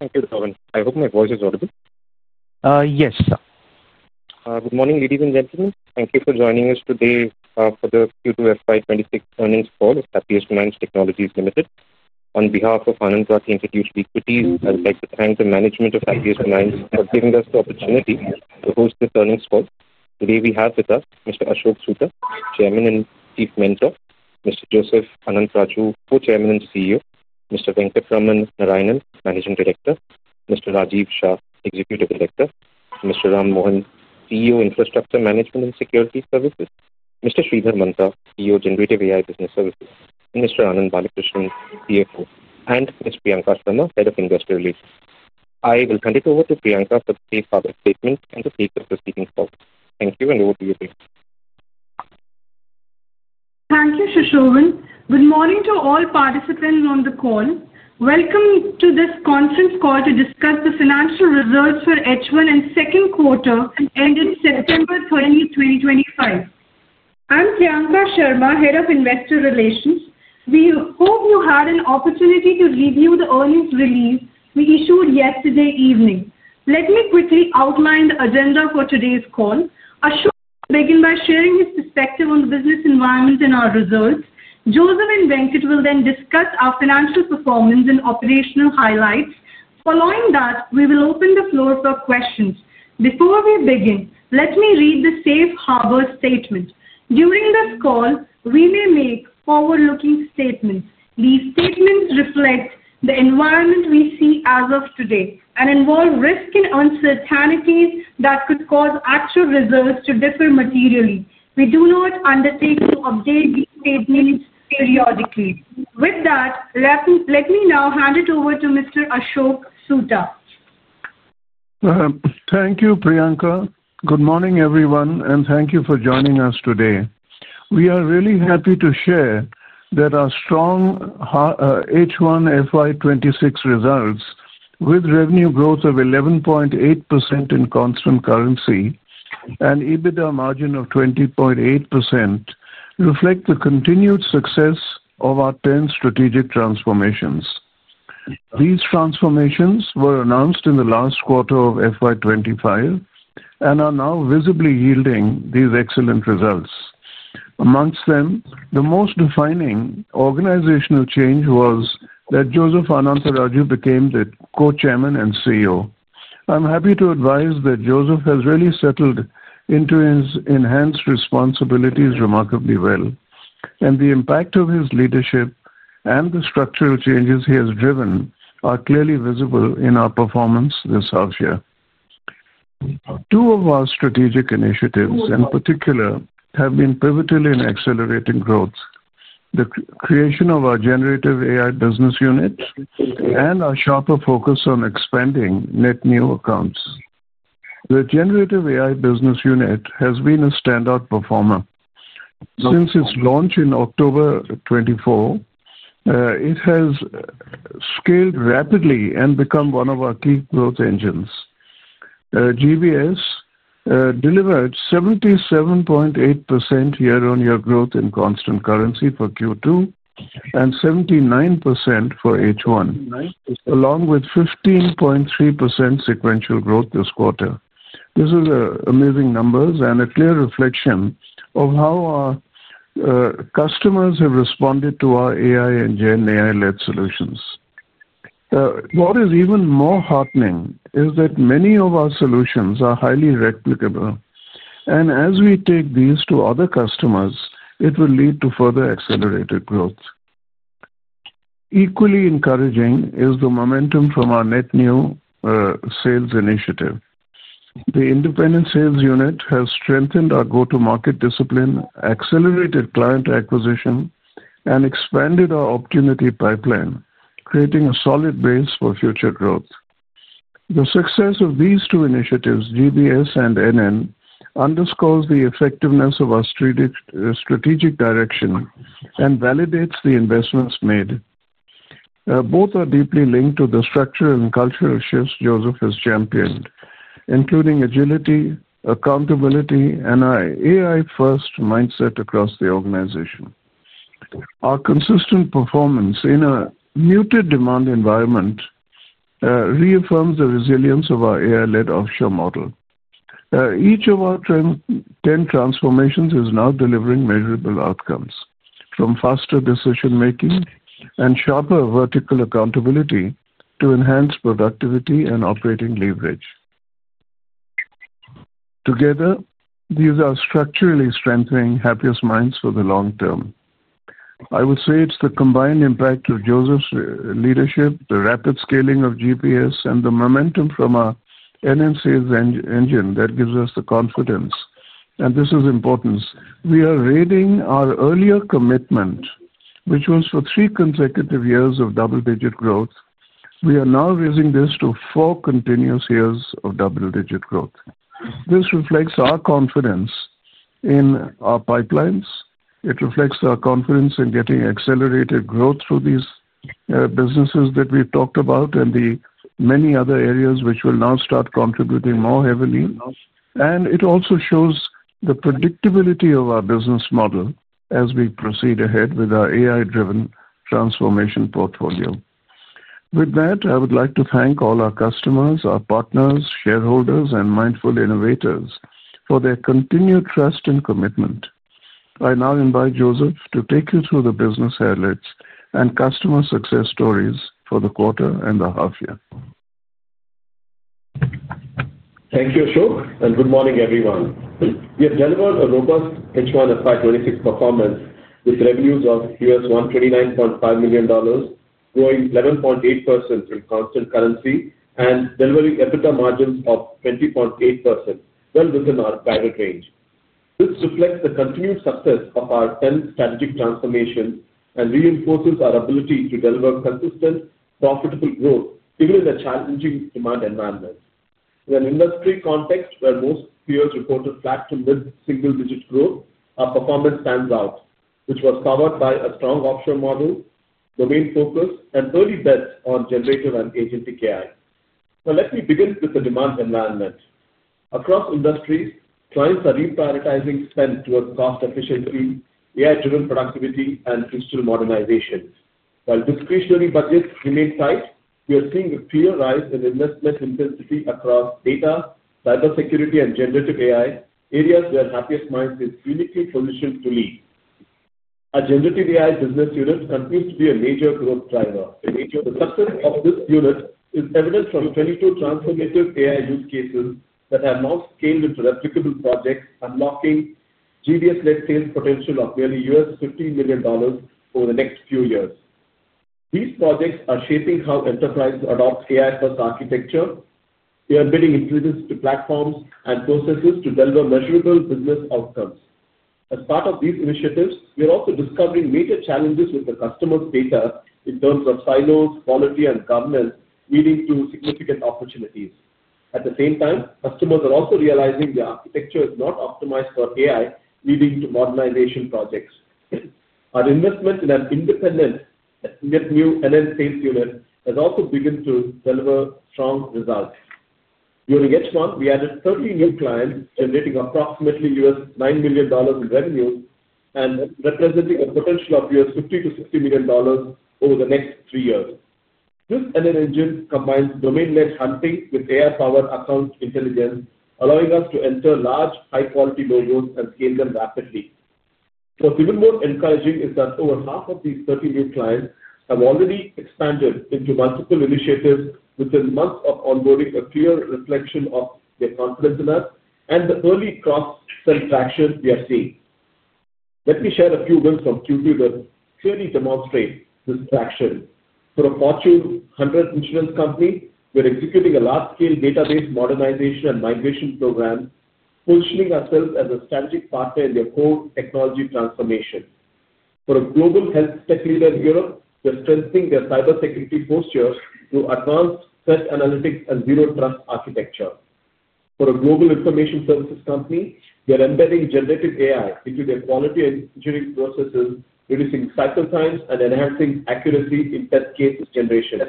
Thank you, Ram Mohan. I hope my voice is audible. Yes, sir. Good morning, ladies and gentlemen. Thank you for joining us today for the Q2 FY 2026 earnings call at Happiest Minds Technologies Ltd. On behalf of Anand Rathi Institutional Equities, I would like to thank the management of Happiest Minds for giving us the opportunity to host this earnings call. Today, we have with us Mr. Ashok Soota, Chairman and Chief Mentor, Mr. Joseph Anantharaju, Co-Chairman and CEO, Mr. Venkatraman Narayanan, Managing Director, Mr. Rajiv Shah, Executive Director, Mr. Ram Mohan, CEO, Infrastructure Management and Security Services, Mr. Sridhar Mantha, CEO, Generative AI Business Services, and Ms. Priyanka Sharma, Head of Investor Relations. I will hand it over to Priyanka for today's public statement and to take the proceedings forward. Thank you and over to you, Priyanka. Thank you, Sushovan. Good morning to all participants on the call. Welcome to this conference call to discuss the financial results for H1 and second quarter ending September 30, 2025. I'm Priyanka Sharma, Head of Investor Relations. We hope you had an opportunity to review the earnings release we issued yesterday evening. Let me quickly outline the agenda for today's call. Ashok will begin by sharing his perspective on the business environment and our results. Joseph and Venkatraman will then discuss our financial performance and operational highlights. Following that, we will open the floor for questions. Before we begin, let me read the safe harbor statement. During this call, we may make forward-looking statements. These statements reflect the environment we see as of today and involve risk and uncertainties that could cause actual results to differ materially. We do not undertake to update these statements periodically. With that, let me now hand it over to Mr. Ashok Soota. Thank you, Priyanka. Good morning, everyone, and thank you for joining us today. We are really happy to share that our strong H1 FY 2026 results, with revenue growth of 11.8% in constant currency and EBITDA margin of 20.8%, reflect the continued success of our 10 strategic transformations. These transformations were announced in the last quarter of FY 2025 and are now visibly yielding these excellent results. Amongst them, the most defining organizational change was that Joseph Anantharaju became the Co-Chairman and CEO. I'm happy to advise that Joseph has really settled into his enhanced responsibilities remarkably well, and the impact of his leadership and the structural changes he has driven are clearly visible in our performance this half-year. Two of our strategic initiatives, in particular, have been pivotal in accelerating growth: the creation of our Generative AI Business Services unit and our sharper focus on expanding net new accounts. The Generative AI Business Services unit has been a standout performer since its launch in October 2024. It has scaled rapidly and become one of our key growth engines. GBS delivered 77.8% year-on-year growth in constant currency for Q2 and 79% for H1, along with 15.3% sequential growth this quarter. This is amazing numbers and a clear reflection of how our customers have responded to our AI and GenAI-led solutions. What is even more heartening is that many of our solutions are highly replicable, and as we take these to other customers, it will lead to further accelerated growth. Equally encouraging is the momentum from our net new sales initiative. The independent sales unit has strengthened our go-to-market discipline, accelerated client acquisition, and expanded our opportunity pipeline, creating a solid base for future growth. The success of these two initiatives, GBS and NN, underscores the effectiveness of our strategic direction and validates the investments made. Both are deeply linked to the structural and cultural shifts Joseph has championed, including agility, accountability, and an AI-first mindset across the organization. Our consistent performance in a muted demand environment reaffirms the resilience of our AI-led offshore model. Each of our 10 transformations is now delivering measurable outcomes, from faster decision-making and sharper vertical accountability to enhanced productivity and operating leverage. Together, these are structurally strengthening Happiest Minds Technologies for the long term. I would say it's the combined impact of Joseph's leadership, the rapid scaling of GBS, and the momentum from our NN sales engine that gives us the confidence. This is important. We are reiterating our earlier commitment, which was for three consecutive years of double-digit growth. We are now raising this to four continuous years of double-digit growth. This reflects our confidence in our pipelines. It reflects our confidence in getting accelerated growth through these businesses that we've talked about and the many other areas which will now start contributing more heavily. It also shows the predictability of our business model as we proceed ahead with our AI-driven transformation portfolio. With that, I would like to thank all our customers, our partners, shareholders, and mindful innovators for their continued trust and commitment. I now invite Joseph to take you through the business highlights and customer success stories for the quarter and the half-year. Thank you, Ashok, and good morning, everyone. We have delivered a robust H1 FY 2026 performance with revenues of $129.5 million, growing 11.8% in constant currency and delivering EBITDA margins of 20.8%, well within our target range. This reflects the continued success of our 10 strategic transformations and reinforces our ability to deliver consistent, profitable growth, even in a challenging demand environment. In an industry context where most peers reported flat to mid-single-digit growth, our performance stands out, which was powered by a strong offshore model, domain focus, and early bets on generative and agentic AI. Now, let me begin with the demand environment. Across industries, clients are reprioritizing spend towards cost efficiency, AI-driven productivity, and digital modernization. While discretionary budgets remain tight, we are seeing a clear rise in investment intensity across data, cybersecurity, and generative AI, areas where Happiest Minds is uniquely positioned to lead. Our Generative AI Business Services unit continues to be a major growth driver. The success of this unit is evident from 22 transformative AI use cases that have now scaled into replicable projects, unlocking GBS-led sales potential of nearly $15 million over the next few years. These projects are shaping how enterprises adopt AI-first architecture. They are building increments to platforms and processes to deliver measurable business outcomes. As part of these initiatives, we are also discovering major challenges with the customer's data in terms of silos, quality, and governance, leading to significant opportunities. At the same time, customers are also realizing the architecture is not optimized for AI, leading to modernization projects. Our investment in an independent NN sales unit has also begun to deliver strong results. During H1, we added 30 new clients, generating approximately $9 million in revenue and representing a potential of $50 million-$60 million over the next three years. This NN engine combines domain-led hunting with AI-powered account intelligence, allowing us to enter large, high-quality logos and scale them rapidly. What's even more encouraging is that over 1/2 of these 30 new clients have already expanded into multiple initiatives within months of onboarding, a clear reflection of their confidence in us and the early cross-sell traction we are seeing. Let me share a few wins from Q2 that clearly demonstrate this traction. For a Fortune 100 insurance company, we're executing a large-scale database modernization and migration program, positioning ourselves as a strategic partner in their core technology transformation. For a global health tech leader in Europe, they're strengthening their cybersecurity posture through advanced threat analytics and zero-trust architecture. For a global information services company, they're embedding generative AI into their quality and engineering processes, reducing cycle times and enhancing accuracy in test case generation.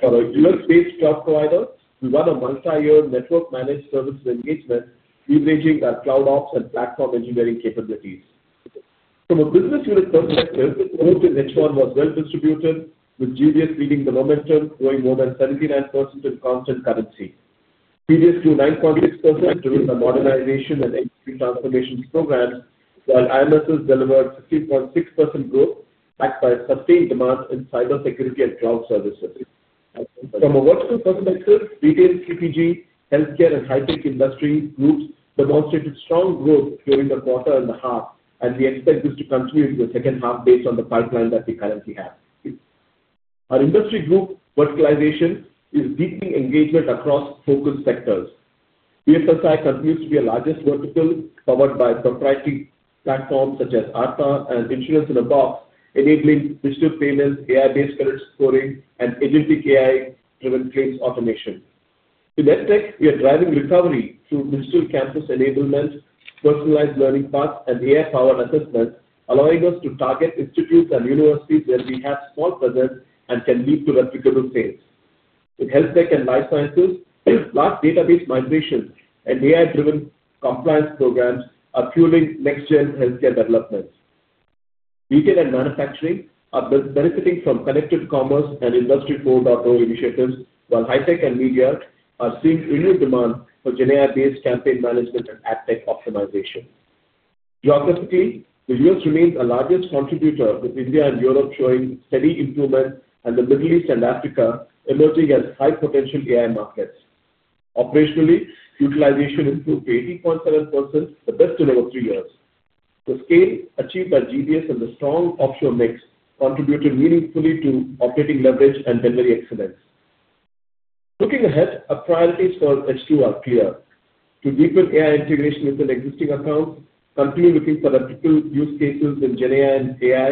For a U.S.-based cloud provider, we run a multi-year network managed services engagement, leveraging our cloud ops and platform engineering capabilities. From a business unit perspective, growth in H1 was well distributed, with GBS leading the momentum, growing more than 79% in constant currency. PBS grew 9.6% during the modernization and industry transformations programs, while IMSS delivered 15.6% growth backed by sustained demand in cybersecurity and cloud services. From a vertical perspective, retail, CPG, healthcare, and high-tech industry groups demonstrated strong growth during the quarter and the half, and we expect this to continue into the second half based on the pipeline that we currently have. Our industry group verticalization is deepening engagement across focus sectors. BFSI continues to be our largest vertical, powered by proprietary platforms such as ATA and Insurance in a Box, enabling digital payments, AI-based credit scoring, and agentic AI-driven claims automation. In health tech, we are driving recovery through digital campus enablement, personalized learning paths, and AI-powered assessments, allowing us to target institutes and universities where we have a small presence and can lead to replicable sales. In health tech and life sciences, large database migrations and AI-driven compliance programs are fueling next-gen healthcare developments. Retail and manufacturing are benefiting from connected commerce and Industry 4.0 initiatives, while high-tech and media are seeing renewed demand for GenAI-based campaign management and ad tech optimization. Geographically, the U.S. remains our largest contributor, with India and Europe showing steady improvement and the Middle East/Africa emerging as high-potential AI markets. Operationally, utilization improved 18.7%, the best in over three years. The scale achieved by GBS and the strong offshore mix contributed meaningfully to operating leverage and delivery excellence. Looking ahead, our priorities for H2 are clear. To deepen AI integration within existing accounts, continue looking for replicable use cases in GenAI and AI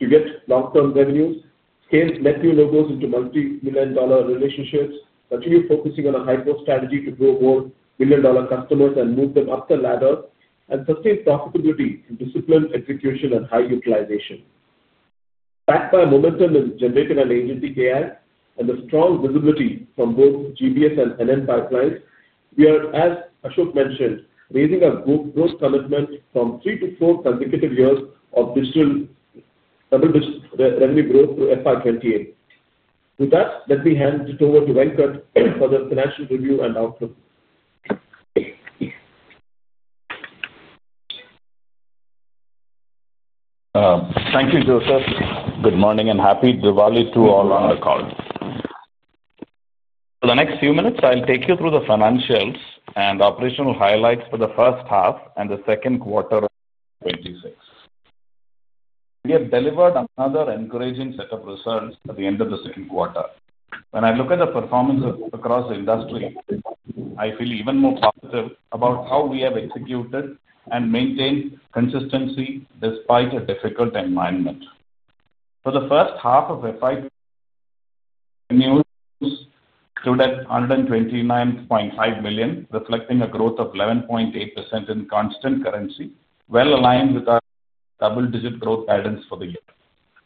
to get long-term revenues, scale net new logos into multi-million dollar relationships, continue focusing on a high-growth strategy to grow more million-dollar customers and move them up the ladder, and sustain profitability through disciplined execution and high utilization. Backed by momentum in generative and agentic AI and the strong visibility from both GBS and NN pipelines, we are, as Ashok Soota mentioned, raising our growth commitment from three to four consecutive years of digital double-digit revenue growth through FY 2028. With that, let me hand it over to Venkatraman Narayanan for the financial review and outlook. Thank you, Joseph. Good morning and happy Diwali to all on the call. For the next few minutes, I'll take you through the financials and operational highlights for the first half and the second quarter of 2026. We have delivered another encouraging set of results at the end of the second quarter. When I look at the performance across the industry, I feel even more positive about how we have executed and maintained consistency despite a difficult environment. For the first half of FY 2026, we produced $129.5 million, reflecting a growth of 11.8% in constant currency, well aligned with our double-digit growth guidance for the year.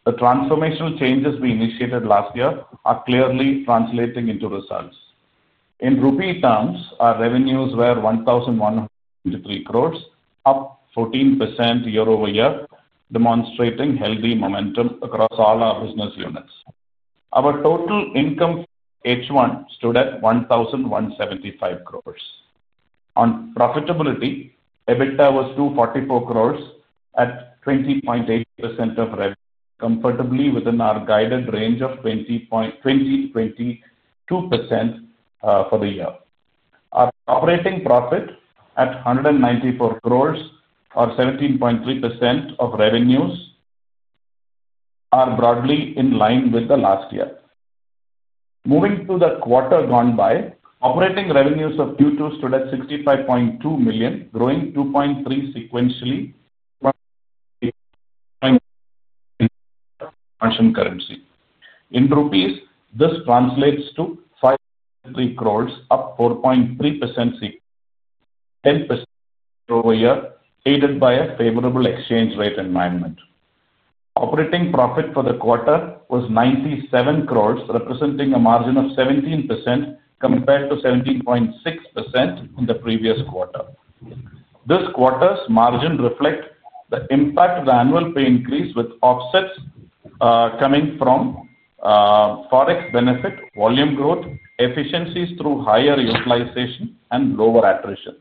The transformational changes we initiated last year are clearly translating into results. In rupee terms, our revenues were 1,123 crores, up 14% year-over-year, demonstrating healthy momentum across all our business units. Our total income for H1 stood at INR 1,175 crores. On profitability, EBITDA was INR 244 crores at 20.8% of revenue, comfortably within our guided range of 20% to 22% for the year. Our operating profit at 194 crores, or 17.3% of revenues, is broadly in line with last year. Moving to the quarter gone by, operating revenues of Q2 stood at $65.2 million, growing 2.3% sequentially in constant currency. In rupees, this translates to 503 crores, up 4.3% sequentially, 10% year-over-year, aided by a favorable exchange rate environment. Operating profit for the quarter was 97 crores, representing a margin of 17% compared to 17.6% in the previous quarter. This quarter's margin reflects the impact of the annual pay increase with offsets coming from forex benefit, volume growth, efficiencies through higher utilization, and lower attrition.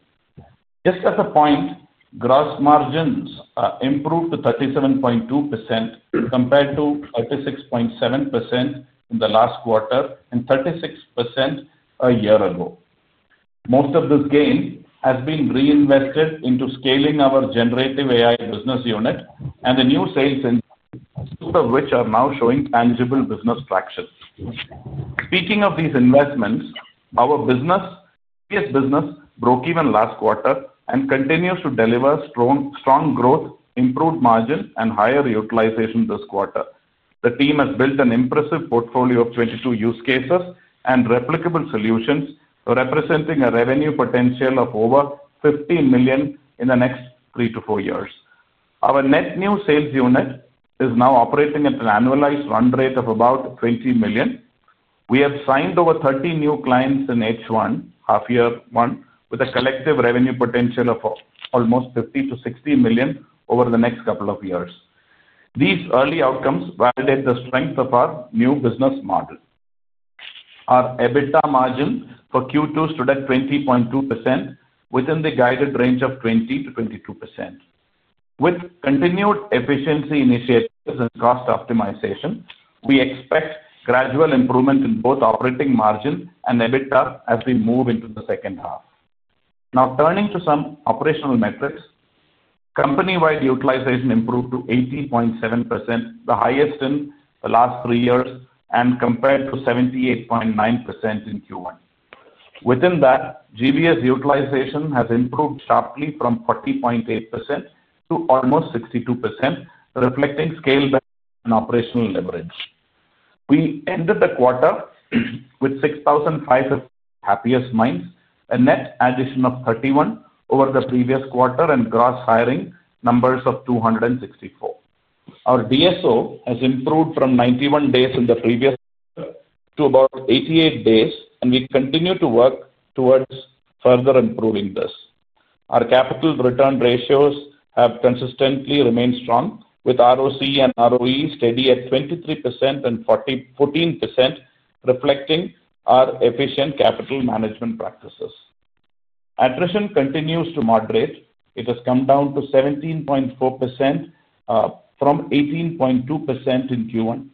Just as a point, gross margins improved to 37.2% compared to 36.7% in the last quarter and 36% a year ago. Most of this gain has been reinvested into scaling our Generative AI Business Services unit and the NN sales engine, two of which are now showing tangible business traction. Speaking of these investments, our business, previous business, broke even last quarter and continues to deliver strong growth, improved margin, and higher utilization this quarter. The team has built an impressive portfolio of 22 use cases and replicable solutions, representing a revenue potential of over $15 million in the next three to four years. Our net new sales unit is now operating at an annualized run rate of about $20 million. We have signed over 30 new clients in H1, half-year one, with a collective revenue potential of almost $50 million-$60 million over the next couple of years. These early outcomes validate the strength of our new business model. Our EBITDA margin for Q2 stood at 20.2%, within the guided range of 20%-22%. With continued efficiency initiatives and cost optimization, we expect gradual improvement in both operating margin and EBITDA as we move into the second half. Now, turning to some operational metrics, company-wide utilization improved to 81.7%, the highest in the last three years, and compared to 78.9% in Q1. Within that, GBS utilization has improved sharply from 40.8% to almost 62%, reflecting scale back and operational leverage. We ended the quarter with 6,500 Happiest Minds, a net addition of 31 over the previous quarter, and gross hiring numbers of 264. Our DSO has improved from 91 days in the previous quarter to about 88 days, and we continue to work towards further improving this. Our capital return ratios have consistently remained strong, with ROC and ROE steady at 23% and 14%, reflecting our efficient capital management practices. Attrition continues to moderate. It has come down to 17.4% from 18.2% in Q1.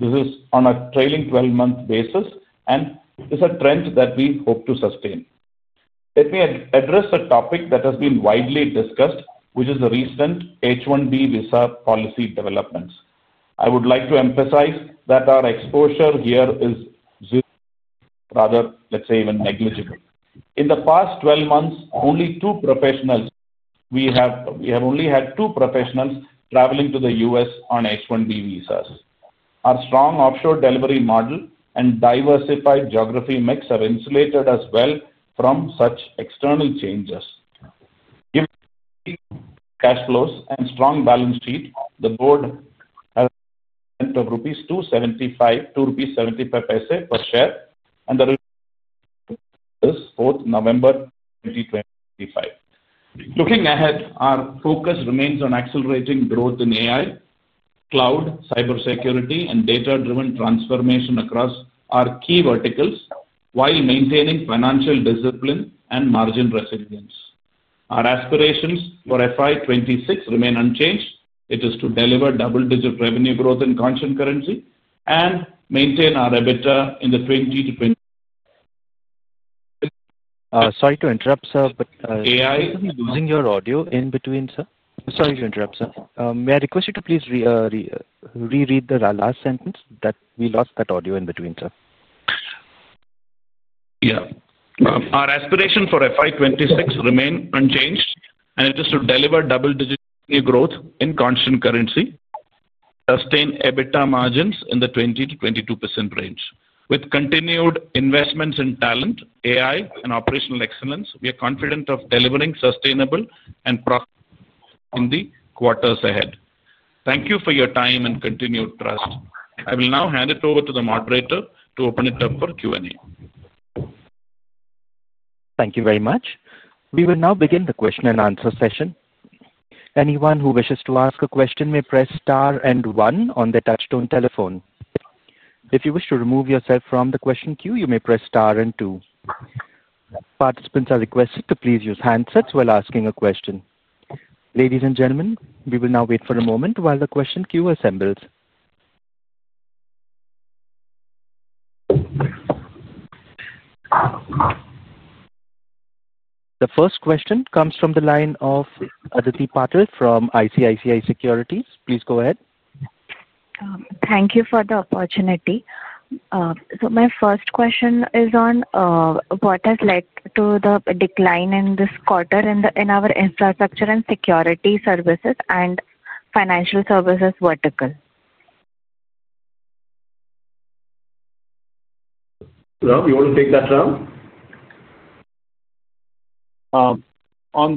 This is on a trailing 12-month basis, and it's a trend that we hope to sustain. Let me address a topic that has been widely discussed, which is the recent H1B visa policy developments. I would like to emphasize that our exposure here is zero, rather, let's say even negligible. In the past 12 months, we have only had two professionals traveling to the U.S. on H1B visas. Our strong offshore delivery model and diversified geography mix have insulated us well from such external changes. Given cash flows and strong balance sheet, the board has spent 2.75 rupees per share, and the report is 4th November 2025. Looking ahead, our focus remains on accelerating growth in AI, cloud, cybersecurity, and data-driven transformation across our key verticals while maintaining financial discipline and margin resilience. Our aspirations for FY 2026 remain unchanged. It is to deliver double-digit revenue growth in constant currency and maintain our EBITDA in the 20%-22% range. Sorry to interrupt, sir. AI isn't using your audio in between, sir. Sorry to interrupt, sir. May I request you to please reread the last sentence? We lost that audio in between, sir. Our aspiration for FY 2026 remains unchanged, and it is to deliver double-digit revenue growth in constant currency, sustain EBITDA margins in the 20%-22% range. With continued investments in talent, AI, and operational excellence, we are confident of delivering sustainable and profitable revenue in the quarters ahead. Thank you for your time and continued trust. I will now hand it over to the moderator to open it up for Q&A. Thank you very much. We will now begin the question-and-answer session. Anyone who wishes to ask a question may press star and one on their touchtone telephone. If you wish to remove yourself from the question queue, you may press star and two. Participants are requested to please use handsets while asking a question. Ladies and gentlemen, we will now wait for a moment while the question queue assembles. The first question comes from the line of Aditi Patil from ICICI Securities. Please go ahead. Thank you for the opportunity. My first question is on what has led to the decline in this quarter in our Infrastructure Management and Security Services and financial services vertical. Ram, you want to take that round? On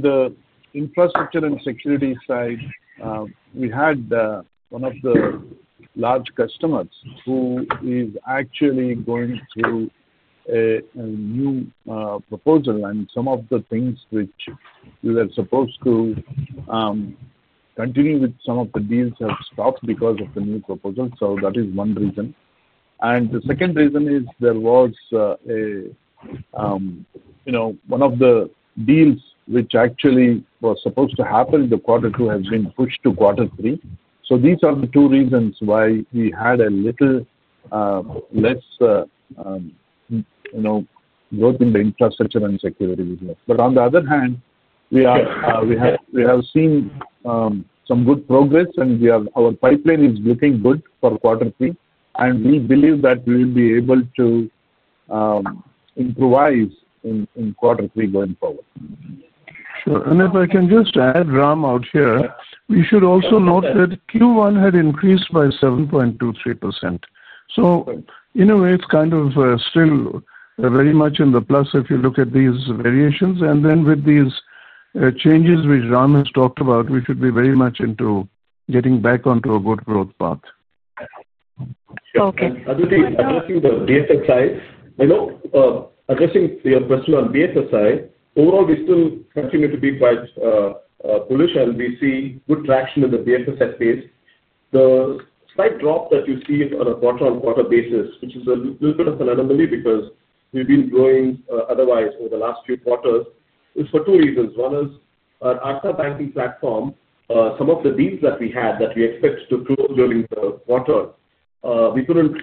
the Infrastructure Management and Security Services side, we had one of the large customers who is actually going through a new proposal, and some of the things which you were supposed to continue with, some of the deals have stopped because of the new proposal. That is one reason. The second reason is there was one of the deals which actually was supposed to happen in quarter two that has been pushed to quarter three. These are the two reasons why we had a little less growth in the infrastructure and security business. On the other hand, we have seen some good progress, and our pipeline is looking good for quarter three, and we believe that we will be able to improvise in quarter three going forward. Sure. If I can just add Ram out here, we should also note that Q1 had increased by 7.23%. In a way, it's kind of still very much in the plus if you look at these variations. With these changes which Ram has talked about, we should be very much into getting back onto a good growth path. Okay. Aditi, addressing your question on the BFS side, overall, we still continue to be quite bullish, and we see good traction in the BFS space. The slight drop that you see on a quarter-on-quarter basis, which is a little bit of an anomaly because we've been growing otherwise over the last few quarters, is for two reasons. One is our ATA banking platform, some of the deals that we had that we expected to close during the quarter, we couldn't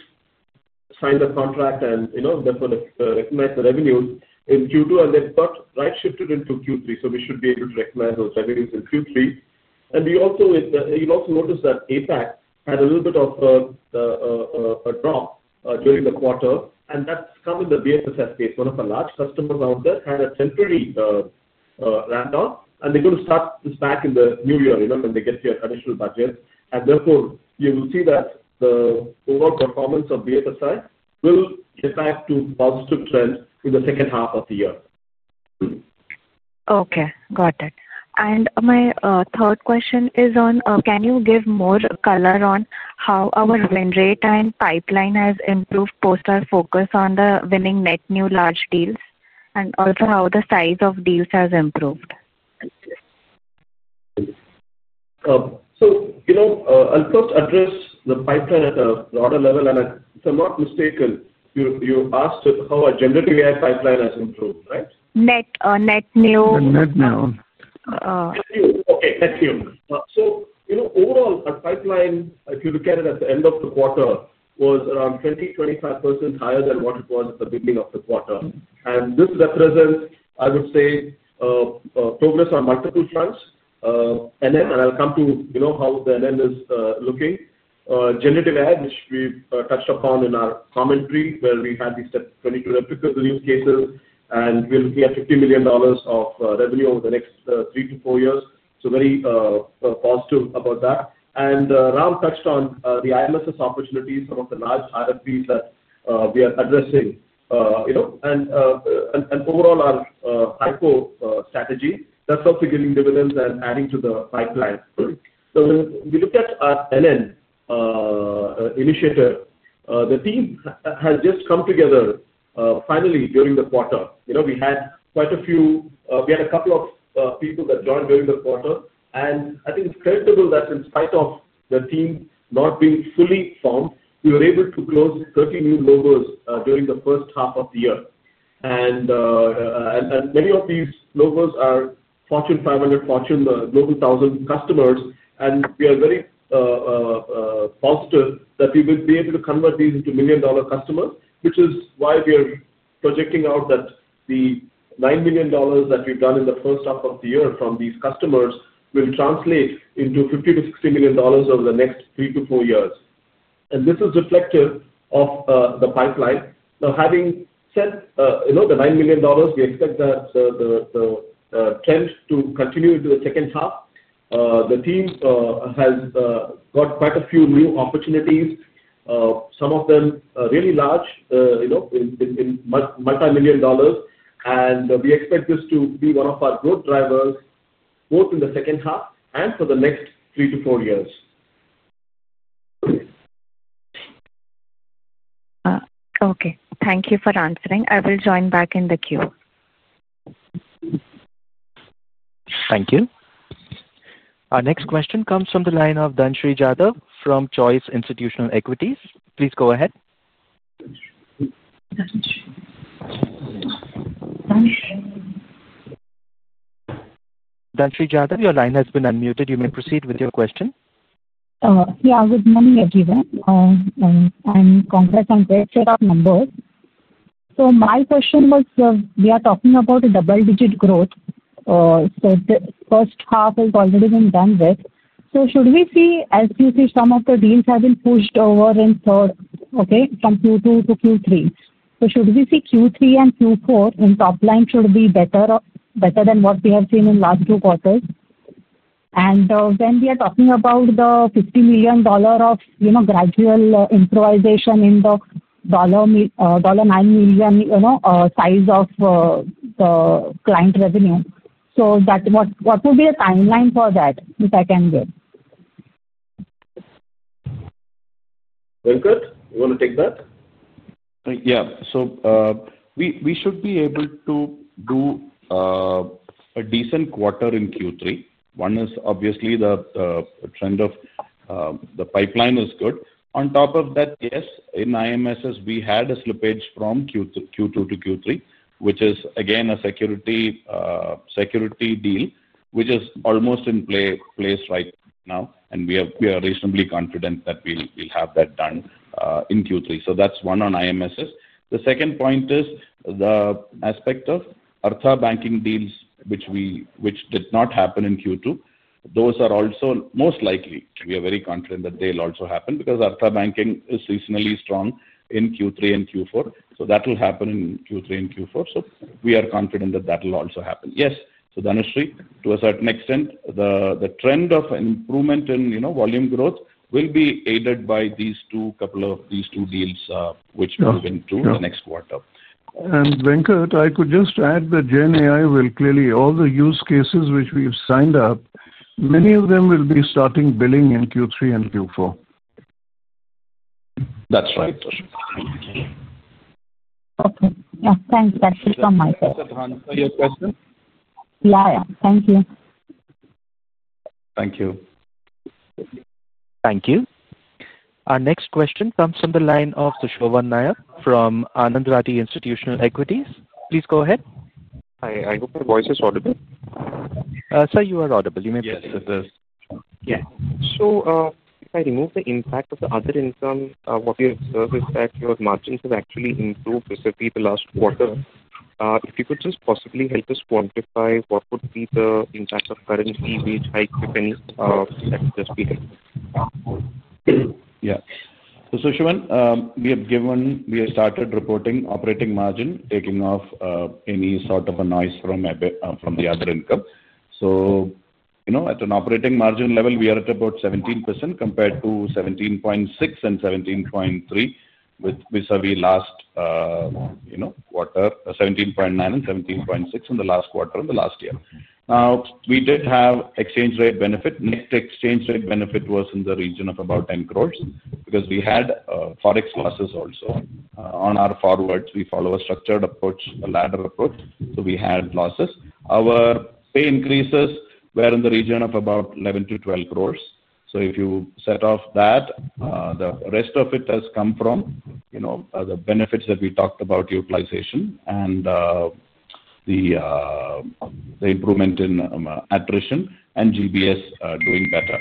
sign the contract and, you know, therefore recognize the revenues in Q2, and that shifted into Q3. We should be able to recognize those revenues in Q3. You'll also notice that APAC had a little bit of a drop during the quarter, and that's come in the BFSI space. One of our large customers out there had a temporary ramp-up, and they're going to start this back in the new year when they get their initial budget. Therefore, you will see that the overall performance of BFSI will get back to a positive trend in the second half of the year. Okay. Got it. My third question is on, can you give more color on how our win rate and pipeline has improved post our focus on the winning net new large deals and also how the size of deals has improved? I'll first address the pipeline at a broader level. If I'm not mistaken, you asked how our generative AI pipeline has improved, right? Net new. Net new. Okay. Net new. Overall, our pipeline, if you look at it at the end of the quarter, was around 20%-25% higher than what it was at the beginning of the quarter. This represents, I would say, progress on multiple fronts. NN, and I'll come to how the NN is looking. Generative AI, which we touched upon in our commentary where we had these 22 replicable AI use cases, and we're looking at $50 million of revenue over the next three to four years. Very positive about that. Ram touched on the IMSS opportunities, some of the large RFPs that we are addressing. Overall, our FICO strategy, that's also giving dividends and adding to the pipeline. When we look at our NN initiative, the team has just come together finally during the quarter. We had quite a few, we had a couple of people that joined during the quarter. I think it's credible that in spite of the team not being fully formed, we were able to close 30 new logos during the first half of the year. Many of these logos are Fortune 500, Fortune Global 1000 customers. We are very positive that we will be able to convert these into million-dollar customers, which is why we are projecting out that the $9 million that we've done in the first half of the year from these customers will translate into $50 million-$60 million over the next three to four years. This is reflective of the pipeline. Now, having said the $9 million, we expect that the trend to continue into the second half. The team has got quite a few new opportunities, some of them really large, in multimillion dollars. We expect this to be one of our growth drivers both in the second half and for the next three to four years. Okay, thank you for answering. I will join back in the queue. Thank you. Our next question comes from the line of Dhanshree Jadhav from Choice Institutional Equities. Please go ahead. Dhanshree Jadhav, your line has been unmuted. You may proceed with your question. Yeah. Good morning, everyone, and congrats on great set of numbers. My question was, we are talking about a double-digit growth. The first half has already been done with. Should we see, as you see, some of the deals have been pushed over in third, from Q2 to Q3? Should we see Q3 and Q4 in top line should be better or better than what we have seen in the last two quarters? When we are talking about the $50 million of, you know, gradual improvisation in the $9 million size of the client revenue, what would be a timeline for that, if I can give? Venkatraman, you want to take that? Yeah. We should be able to do a decent quarter in Q3. One is obviously the trend of the pipeline is good. In IMSS, we had a slippage from Q2 to Q3, which is again a security deal, which is almost in place right now. We are reasonably confident that we'll have that done in Q3. That's one on IMSS. The second point is the aspect of ATA banking deals, which did not happen in Q2. Those are also most likely. We are very confident that they'll also happen because ATA banking is seasonally strong in Q3 and Q4. That will happen in Q3 and Q4. We are confident that that will also happen. Yes. Dhanshree, to a certain extent, the trend of an improvement in volume growth will be aided by these two deals, which move into the next quarter. Venkatraman, I could just add that GenAI will clearly, all the use cases which we've signed up, many of them will be starting billing in Q3 and Q4. That's right. Okay. Yeah, thanks. That's it from my side. [Dhanshree], your question? Yeah, thank you. Thank you. Thank you. Our next question comes from the line of Sushovan Nayak from Anand Rathi Institutional Equities. Please go ahead. Hi, I hope my voice is audible. Sir, you are audible. You may proceed. Yes. If I remove the impact of the other income, what we observe is that your margins have actually improved recently in the last quarter. If you could just possibly help us quantify what would be the impact of currency, wage hike, if any, that would just be helpful. Yeah. Sushovan, we have given, we have started reporting operating margin, taking off any sort of noise from the other income. At an operating margin level, we are at about 17% compared to 17.6% and 17.3% vis-à-vis last quarter, 17.9% and 17.6% in the last quarter in the last year. We did have exchange rate benefit. Net exchange rate benefit was in the region of about 10 crore because we had forex losses also. On our forwards, we follow a structured approach, a ladder approach. We had losses. Our pay increases were in the region of about 11 crore-12 crore. If you set off that, the rest of it has come from the benefits that we talked about, utilization and the improvement in attrition and GBS doing better.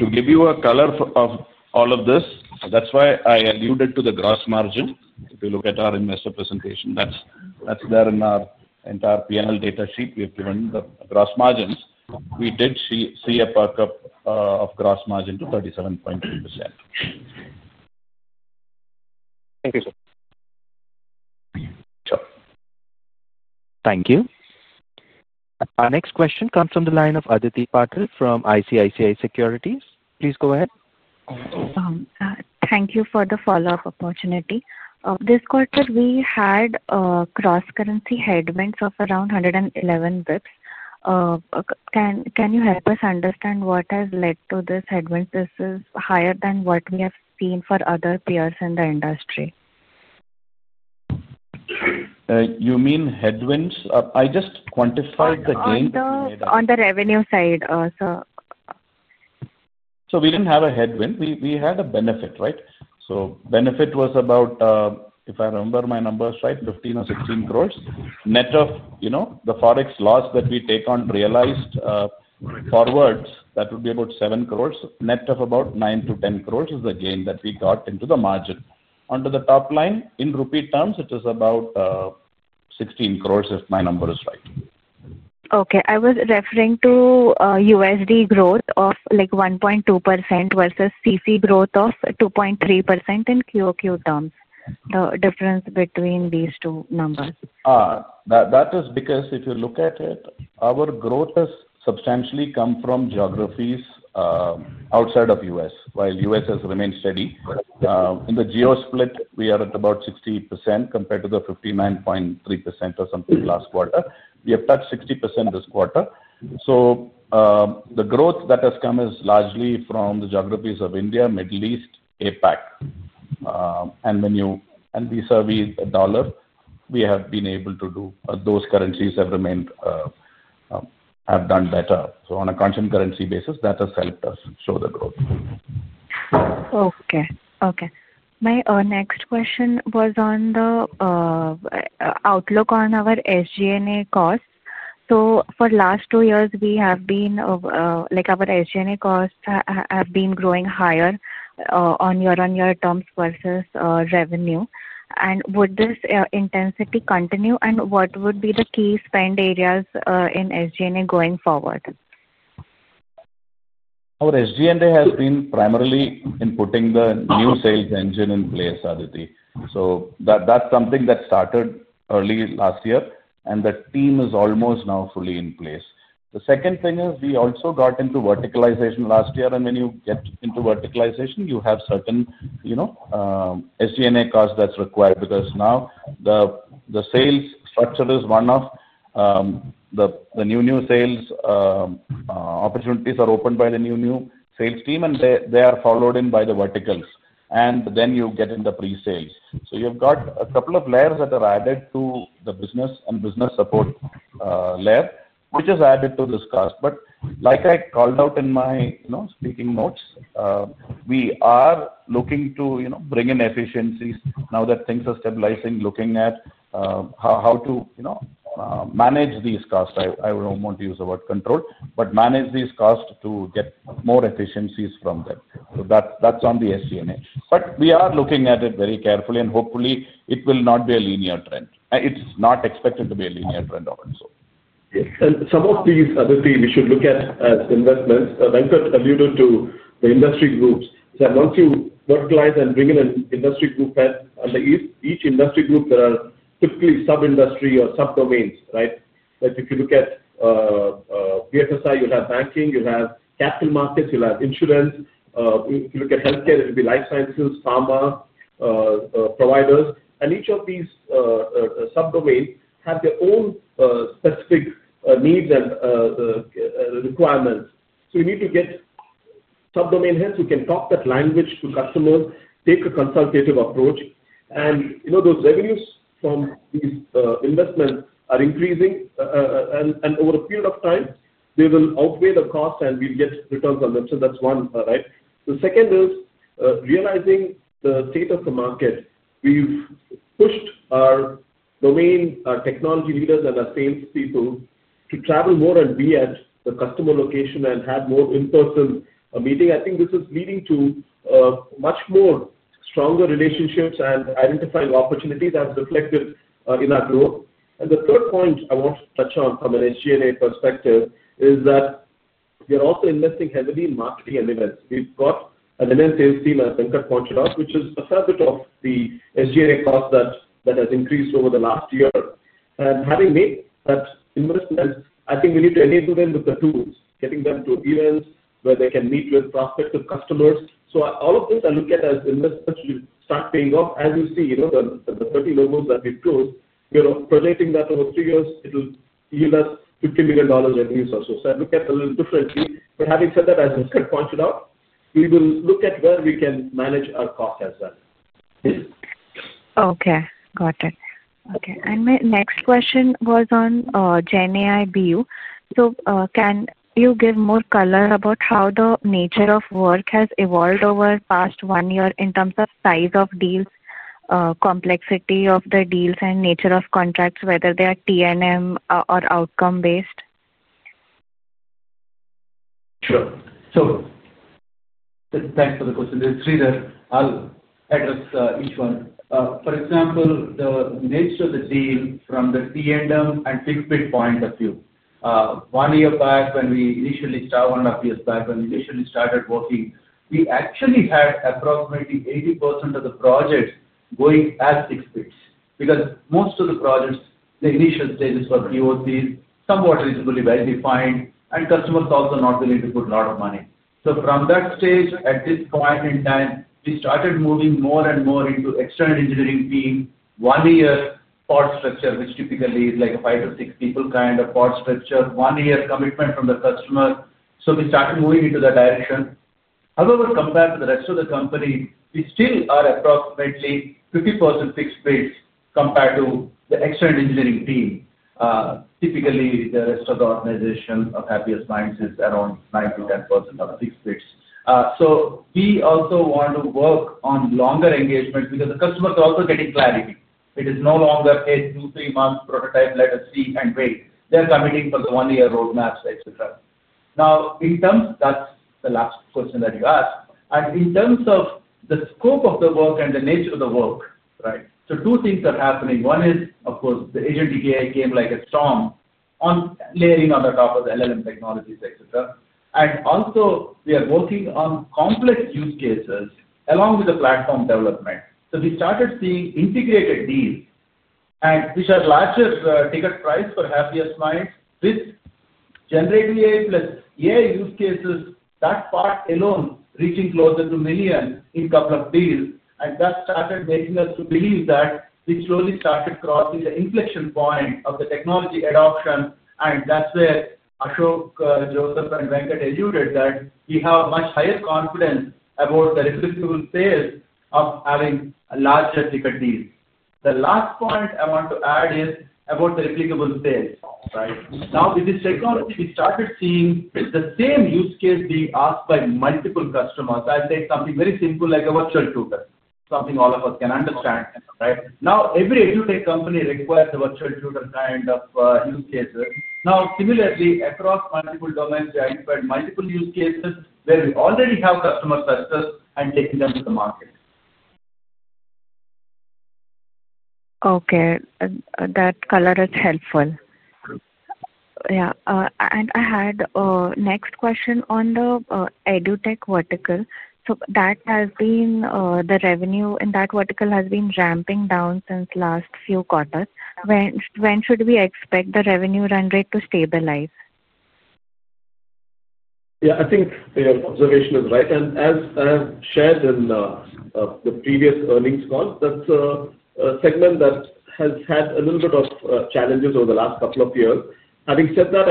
To give you a color of all of this, that's why I alluded to the gross margin. If you look at our investor presentation, that's there in our entire P&L data sheet. We have given the gross margins. We did see a perk up of gross margin to 37.2%. Thank you, sir. Sure. Thank you. Our next question comes from the line of Aditi Patil from ICICI Securities. Please go ahead. Thank you for the follow-up opportunity. This quarter, we had cross-currency headwinds of around 111 bps. Can you help us understand what has led to this headwind? This is higher than what we have seen for other peers in the industry. You mean headwinds? I just quantified the gain. On the revenue side, sir. We didn't have a headwind. We had a benefit, right? The benefit was about, if I remember my numbers right, 15 or 16 crore. Net of, you know, the forex loss that we take on realized forwards, that would be about 7 crore. Net of about 9 crore-10 crore is the gain that we got into the margin. Under the top line, in rupee terms, it is about 16 crore if my number is right. Okay. I was referring to USD growth of 1.2% versus constant currency growth of 2.3% in QoQ terms, the difference between these two numbers. That is because if you look at it, our growth has substantially come from geographies outside of the U.S., while the U.S. has remained steady. In the geo split, we are at about 60% compared to the 59.3% or something last quarter. We have touched 60% this quarter. The growth that has come is largely from the geographies of India, Middle East/Africa, and APAC. When you and vis-à-vis the dollar, we have been able to do those currencies have done better. On a constant currency basis, that has helped us show the growth. Okay. My next question was on the outlook on our SG&A costs. For the last two years, our SG&A costs have been growing higher on year-on-year terms versus revenue. Would this intensity continue, and what would be the key spend areas in SG&A going forward? Our SG&A has been primarily in putting the new sales engine in place, Aditi. That's something that started early last year, and the team is almost now fully in place. The second thing is we also got into verticalization last year, and when you get into verticalization, you have certain SG&A costs that's required because now the sales structure is one of the new new sales opportunities are opened by the new new sales team, and they are followed in by the verticals. Then you get in the pre-sales. You've got a couple of layers that are added to the business and business support layer, which is added to this cost. Like I called out in my speaking notes, we are looking to bring in efficiencies now that things are stabilizing, looking at how to manage these costs. I don't want to use the word control, but manage these costs to get more efficiencies from them. That's on the SG&A. We are looking at it very carefully, and hopefully, it will not be a linear trend. It's not expected to be a linear trend also. Some of these, Aditi, we should look at as investments. Venkatraman alluded to the industry groups. He said once you verticalize and bring in an industry group, under each industry group, there are typically sub-industry or sub-domains, right? Like if you look at BFSI, you'll have banking, you'll have capital markets, you'll have insurance. If you look at healthcare, it'll be life sciences, pharma providers. Each of these sub-domains have their own specific needs and requirements. You need to get sub-domain heads who can talk that language to customers and take a consultative approach. Those revenues from these investments are increasing, and over a period of time, they will outweigh the cost, and we'll get returns on them. That's one. The second is realizing the state of the market. We've pushed our domain technology leaders and our salespeople to travel more and be at the customer location and have more in-person meetings. I think this is leading to much stronger relationships and identifying opportunities as reflected in our growth. The third point I want to touch on from an SG&A perspective is that we are also investing heavily in marketing and events. We've got an event sales team, as Venkatraman pointed out, which is a fair bit of the SG&A cost that has increased over the last year. Having made that investment, I think we need to enable them with the tools, getting them to events where they can meet with prospective customers. All of this I look at as investments that will start paying off. As you see, the 30 logos that we've closed, we are projecting that over three years, it'll yield us $50 million revenues or so. I look at it a little differently. Having said that, as Venkatraman pointed out, we will look at where we can manage our costs as well. Okay. Got it. My next question was on GenAI BU. Can you give more color about how the nature of work has evolved over the past one year in terms of size of deals, complexity of the deals, and nature of contracts, whether they are TNM or outcome-based? Sure. Thanks for the question. There's three there. I'll address each one. For example, the nature of the team from the TNM and fixed bid point of view. One year back, when we initially started, one and a half years back, when we initially started working, we actually had approximately 80% of the projects going as fixed bids because most of the projects, the initial stages were POCs, somewhat reasonably well defined, and customers also not willing to put a lot of money. From that stage, at this point in time, we started moving more and more into external engineering teams, one-year port structure, which typically is like a five to six people kind of port structure, one-year commitment from the customer. We started moving into that direction. However, compared to the rest of the company, we still are approximately 50% fixed bids compared to the external engineering team. Typically, the rest of the organization of Happiest Minds is around 9%-10% of fixed bids. We also want to work on longer engagements because the customers are also getting clarity. It is no longer a two, three-month prototype, let us see, and wait. They're committing for the one-year roadmaps, etc. In terms of that's the last question that you asked. In terms of the scope of the work and the nature of the work, right? Two things are happening. One is, of course, the Agentic AI came like a storm on layering on the top of the LLM technologies, etc. We are also working on complex use cases along with the platform development. We started seeing integrated deals, which are larger ticket price for Happiest Minds with generative AI plus AI use cases, that part alone reaching closer to $1 million in a couple of deals. That started making us believe that we slowly started crossing the inflection point of the technology adoption. That's where Ashok, Joseph, and Venkatraman alluded that we have a much higher confidence about the replicable sales of having a larger ticket deal. The last point I want to add is about the replicable sales, right? Now, with this technology, we started seeing the same use case being asked by multiple customers. I'll take something very simple like a virtual tutor, something all of us can understand, right? Now, every edutech company requires a virtual tutor kind of use cases. Similarly, across multiple domains, we identified multiple use cases where we already have customers such as and taking them to the market. Okay. That color is helpful. I had a next question on the edutech vertical. The revenue in that vertical has been ramping down since the last few quarters. When should we expect the revenue run rate to stabilize? Yeah. I think the observation is right. As I have shared in the previous earnings call, that's a segment that has had a little bit of challenges over the last couple of years. Having said that,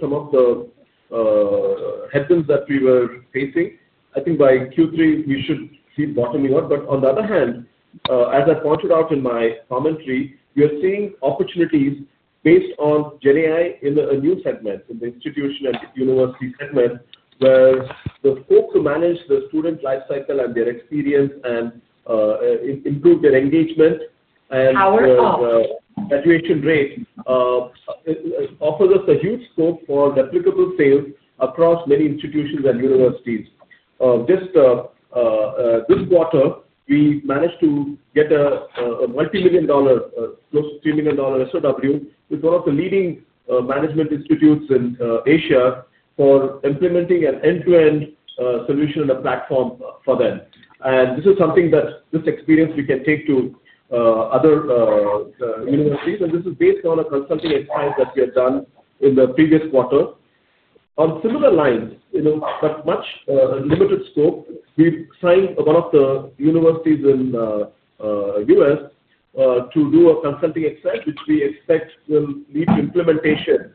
some of the headwinds that we were facing, I think by Q3, we should see bottoming up. As I pointed out in my commentary, we are seeing opportunities based on GenAI in a new segment, in the institution and university segment, where the hope to manage the student lifecycle and their experience and improve their engagement and graduation rate offers us a huge scope for replicable sales across many institutions and universities. Just this quarter, we managed to get a multi-million dollar, close to $3 million SOW with one of the leading management institutes in Asia for implementing an end-to-end solution and a platform for them. This experience we can take to other universities. This is based on a consulting exercise that we have done in the previous quarter. On similar lines, with much limited scope, we've assigned one of the universities in the U.S. to do a consulting exercise, which we expect will lead to implementation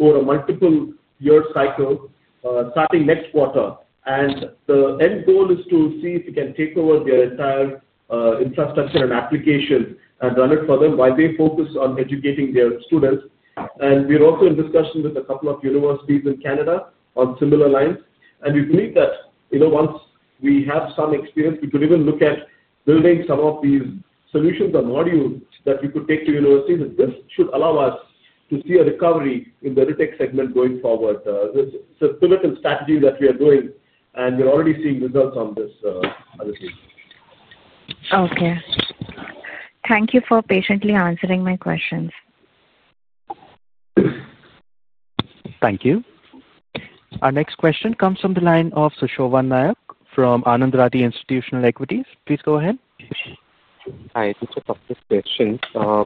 over a multiple-year cycle, starting next quarter. The end goal is to see if we can take over their entire infrastructure and applications and run it for them while they focus on educating their students. We're also in discussion with a couple of universities in Canada on similar lines. We believe that once we have some experience, we could even look at building some of these solutions or modules that we could take to universities. This should allow us to see a recovery in the edutech segment going forward. It's a pivotal strategy that we are doing, and we're already seeing results on this, Aditi. Okay, thank you for patiently answering my questions. Thank you. Our next question comes from the line of Sushovan Nayak from Anand Rathi Institutional Equities. Please go ahead. Hi. I just have a quick question. Sir,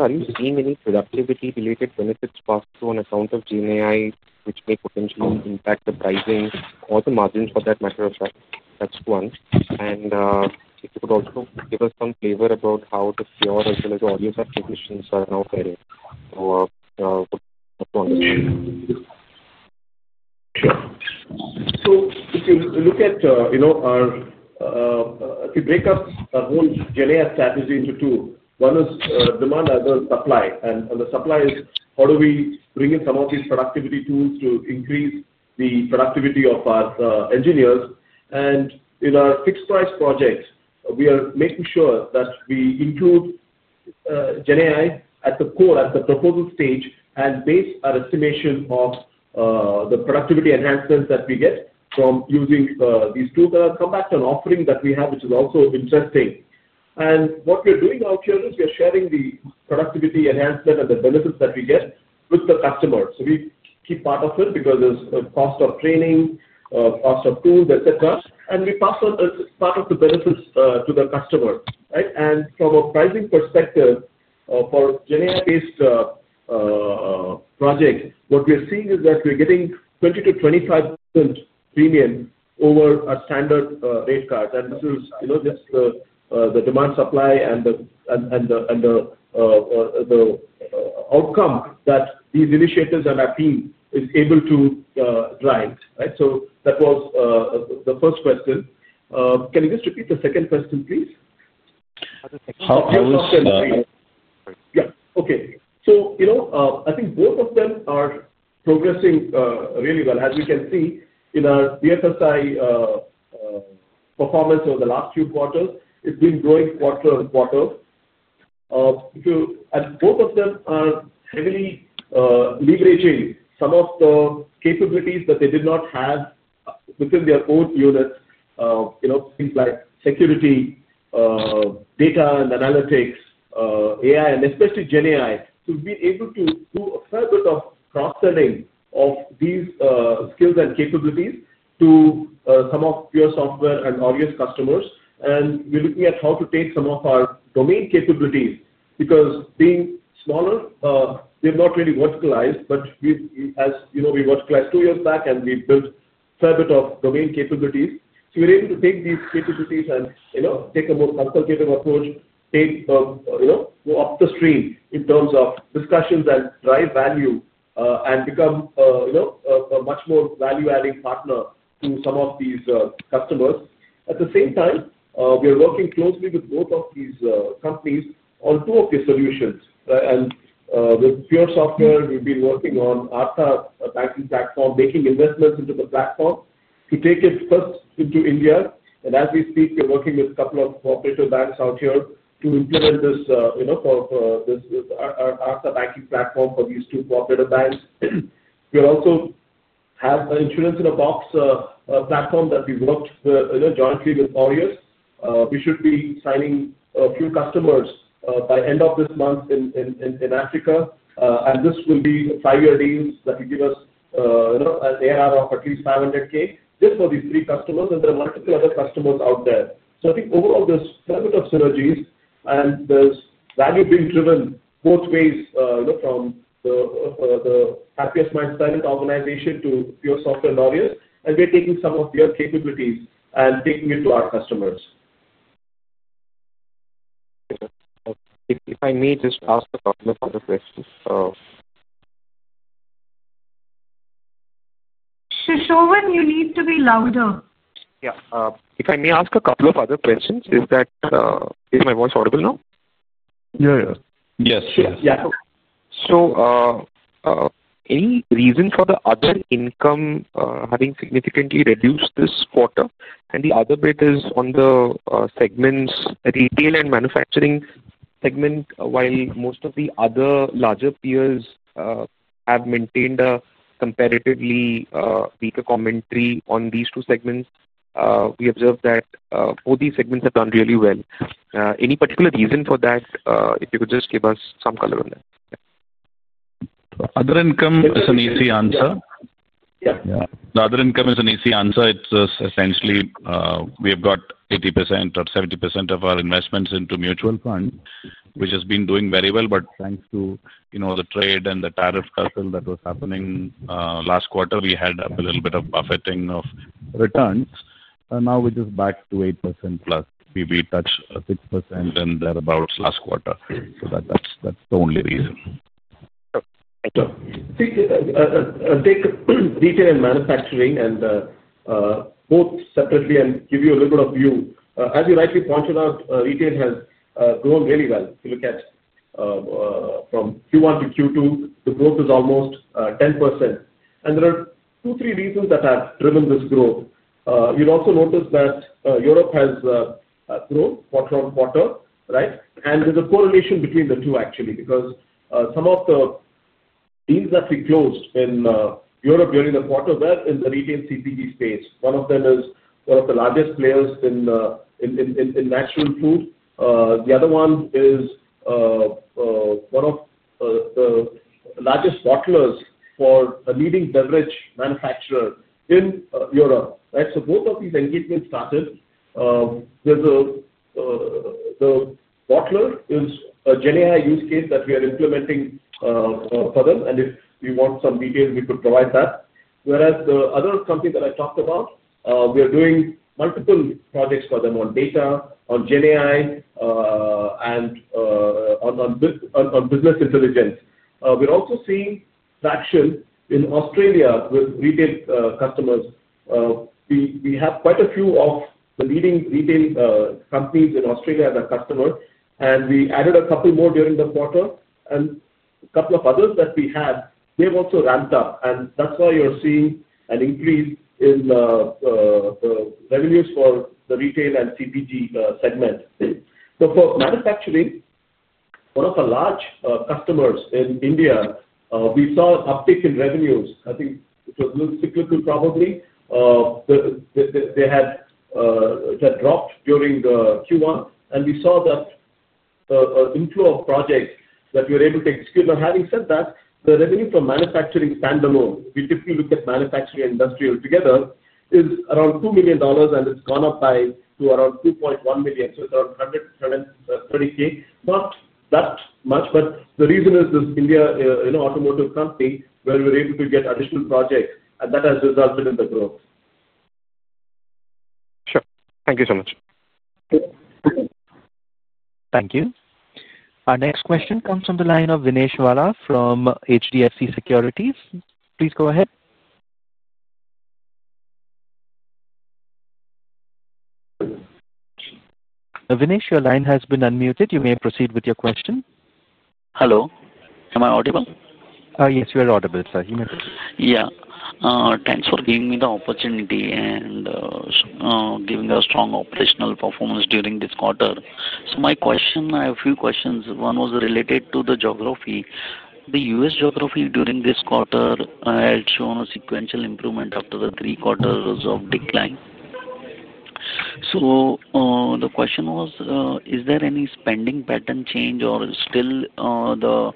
are you seeing any productivity-related benefits passed through on account of GenAI, which may potentially impact the pricing or the margins for that matter? That's one. If you could also give us some flavor about how the PR as well as the audio technicians are now faring. I would like to understand. Sure. If you look at, you know, if you break up our whole GenAI strategy into two, one is demand, the other is supply. On the supply, it is how do we bring in some of these productivity tools to increase the productivity of our engineers. In our fixed-price projects, we are making sure that we include GenAI at the core, at the proposal stage, and base our estimation of the productivity enhancements that we get from using these tools. I'll come back to an offering that we have, which is also interesting. What we're doing out here is we're sharing the productivity enhancement and the benefits that we get with the customer. We keep part of it because there's a cost of training, a cost of tools, etc., and we pass on part of the benefits to the customer, right? From a pricing perspective, for GenAI-based projects, what we're seeing is that we're getting 20%-25% premium over a standard rate card. This is just the demand, supply, and the outcome that these initiatives and our team is able to drive, right? That was the first question. Can you just repeat the second question, please? How do you see? Yeah. Okay. I think both of them are progressing really well. As we can see in our BFSI performance over the last few quarters, it's been growing quarter on quarter. Both of them are heavily leveraging some of the capabilities that they did not have within their own units, things like security, data and analytics, AI, and especially GenAI. We've been able to do a fair bit of cross-selling of these skills and capabilities to some of PureSoftware and Arttha customers. We're looking at how to take some of our domain capabilities because being smaller, we have not really verticalized. As you know, we verticalized two years back, and we've built a fair bit of domain capabilities. We're able to take these capabilities and take a more consultative approach, go up the stream in terms of discussions and drive value and become a much more value-adding partner to some of these customers. At the same time, we are working closely with both of these companies on two of these solutions. With PureSoftware, we've been working on the ATA banking platform, making investments into the platform to take it first into India. As we speak, we're working with a couple of cooperative banks out here to implement this ATA banking platform for these two cooperative banks. We also have an Insurance in a Box platform that we've worked jointly with Arttha. We should be signing a few customers by the end of this month in Africa. These will be five-year deals that will give us an ARR of at least $500,000 just for these three customers. There are multiple other customers out there. I think overall, there's quite a bit of synergies, and there's value being driven both ways from the Happiest Minds organization to PureSoftware and Arttha. We're taking some of their capabilities and taking it to our customers. If I may just ask a couple of other questions. Sushovan, you need to be louder. If I may ask a couple of other questions, is my voice audible now? Yeah, yeah. Yes. Yes. Yeah. Is there any reason for the other income having significantly reduced this quarter? The other bit is on the segments, retail and manufacturing segment. While most of the other larger peers have maintained a comparatively weaker commentary on these two segments, we observed that both these segments have done really well. Any particular reason for that? If you could just give us some color on that. Other income is an easy answer. Yeah. Yeah. The other income is an easy answer. It's essentially, we have got 80% or 70% of our investments into mutual funds, which has been doing very well. Thanks to the trade and the tariff that was happening last quarter, we had a little bit of buffeting of returns. Now we're just back to 8%+. We touched 6% in thereabouts last quarter. That's the only reason. Sure. Thank you. Take retail and manufacturing, both separately. Give you a little bit of view. As you rightly pointed out, retail has grown really well. If you look at from Q1 to Q2, the growth is almost 10%. There are two, three reasons that have driven this growth. You'll also notice that Europe has grown quarter on quarter, right? There's a correlation between the two, actually, because some of the deals that we closed in Europe during the quarter were in the retail CPG space. One of them is one of the largest players in natural food. The other one is one of the largest bottlers for a leading beverage manufacturer in Europe, right? Both of these engagements started. The bottler is a GenAI use case that we are implementing for them. If you want some details, we could provide that. Whereas the other company that I talked about, we are doing multiple projects for them on data, on GenAI, and on business intelligence. We're also seeing traction in Australia with retail customers. We have quite a few of the leading retail companies in Australia that are customers, and we added a couple more during the quarter. A couple of others that we had, they've also ramped up. That's why you're seeing an increase in the revenues for the retail and CPG segment. For manufacturing, one of our large customers in India, we saw an uptick in revenues. I think it was a little cyclical, probably. They had dropped during Q1. We saw that the inflow of projects that we were able to execute. Now, having said that, the revenue from manufacturing standalone—we typically look at manufacturing and industrial together—is around $2 million, and it's gone up to around $2.1 million. It's around $130,000, not that much. The reason is this India automotive company where we were able to get additional projects, and that has resulted in the growth. Sure, thank you so much. Thank you. Our next question comes from the line of Vinay Rajani from HDFC Securities. Please go ahead. Vinay, your line has been unmuted. You may proceed with your question. Hello. Am I audible? Yes, you are audible, sir. You may proceed. Yeah, thanks for giving me the opportunity and giving a strong operational performance during this quarter. My question, I have a few questions. One was related to the geography. The US geography during this quarter had shown a sequential improvement after the three quarters of decline. The question was, is there any spending pattern change, or still the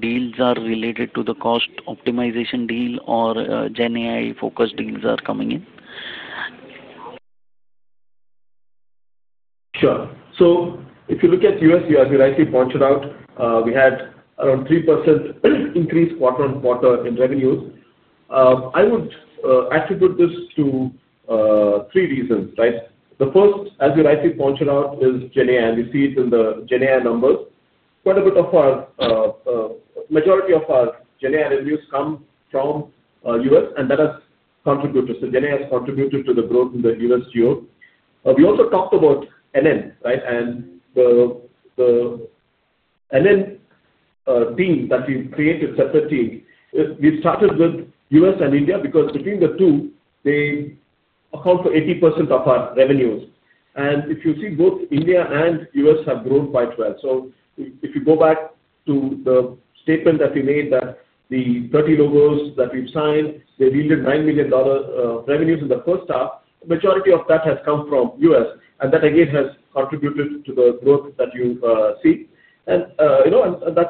deals are related to the cost optimization deal, or GenAI-focused deals are coming in? Sure. If you look at the U.S., as we rightly pointed out, we had around 3% increase quarter on quarter in revenues. I would attribute this to three reasons, right? The first, as we rightly pointed out, is GenAI. We see it in the GenAI numbers. Quite a bit of our, majority of our GenAI revenues come from the U.S., and that has contributed. GenAI has contributed to the growth in the U.S. geo. We also talked about NN, right? The NN team that we've created, separate team, we've started with the U.S. and India because between the two, they account for 80% of our revenues. If you see, both India and the U.S. have grown quite well. If you go back to the statement that we made that the 30 logos that we've signed, they yielded $9 million revenues in the first half. A majority of that has come from the U.S., and that, again, has contributed to the growth that you see. That's